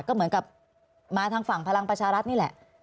ก็เหมือนกับมาทางฝั่งพลังประชารัฐนี่แหละ